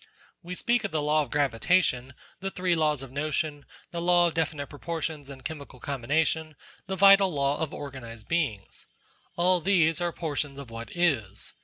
We speak of the law of gravitation, the three laws of motion, the law of definite proportions in chemical combination, the vital laws of organized beings. All these are portions of what is.